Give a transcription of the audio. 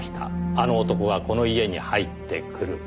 あの男がこの家に入ってくる」